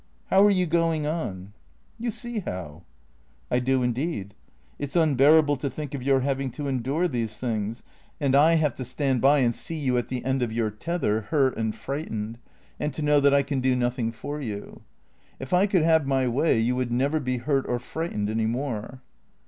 " How are you going on ?"" You see how." " I do indeed. It 's unbearable to think of your having to endure these things. And I have to stand by and see you at the 228 THE CREA TOES end of your tether, hurt and frightened, and to know that I can do nothing for you. If I could have my way you would never be hurt or frightened any more."